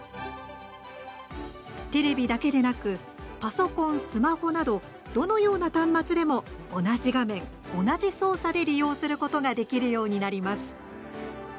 テレビだけでなく、パソコンスマホなど、どのような端末でも同じ画面、同じ操作で利用することができるようになります。